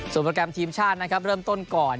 โปรแกรมทีมชาตินะครับเริ่มต้นก่อน